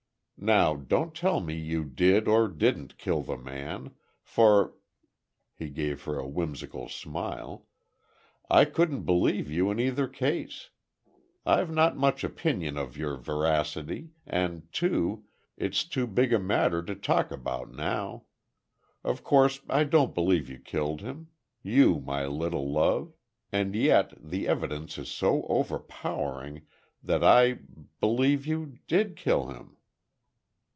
Now, don't tell me you did or didn't kill the man, for—" he gave her a whimsical smile, "I couldn't believe you in either case! I've not much opinion of your veracity, and, too, it's too big a matter to talk about now. Of course I don't believe you killed him! You, my little love! And yet, the evidence is so overpowering that I—believe you did kill him!